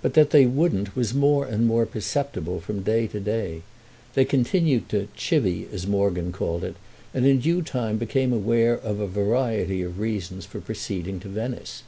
But that they wouldn't was more and more perceptible from day to day. They continued to "chivey," as Morgan called it, and in due time became aware of a variety of reasons for proceeding to Venice.